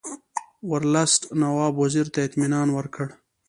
ورلسټ نواب وزیر ته اطمینان ورکړ.